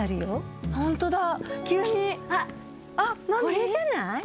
これじゃない？